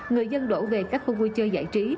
người dân đổ về các khu vui chơi giải trí